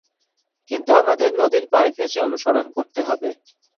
কিন্তু আমাদের নদীর পাড় ঘেঁষে অনুসরণ করতে হবে।